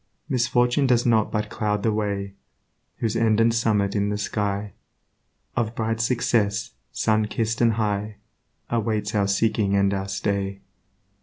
Misfortune does but cloud the way Whose end and summit in the sky Of bright success, sunkiss'd and high, Awaits our seeking and our stay.